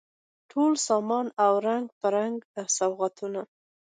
ټول سامان او رنګ په رنګ سوغاتونه